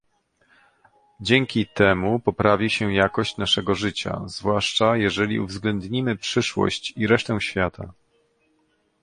Dzięki temu poprawi się jakość naszego życia, zwłaszcza jeżeli uwzględnimy przyszłość i resztę świata